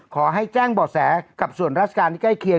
ขอให้แจ้งบ่อแสกับส่วนราชการที่ใกล้เคียง